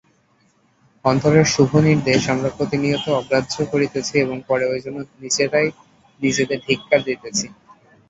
অন্তরের শুভনির্দেশ আমরা প্রতিনিয়ত অগ্রাহ্য করিতেছি এবং পরে ঐজন্য নিজেরাই নিজেদের ধিক্কার দিতেছি।